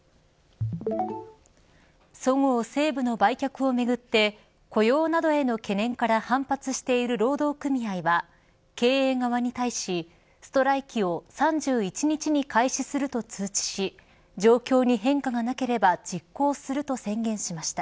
そごう・西武の売却をめぐって雇用などへの懸念から反発している労働組合は経営側に対しストライキを３１日に開始すると通知し状況に変化がなければ実行すると宣言しました。